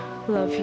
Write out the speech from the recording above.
udah buang aja bi